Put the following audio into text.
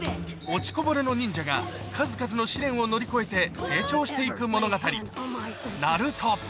落ちこぼれの忍者が数々の試練を乗り越えて成長していく物語、ＮＡＲＵＴＯ。